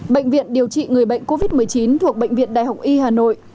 bệnh viện điều trị người bệnh covid một mươi chín thuộc bệnh viện đại học y hà nội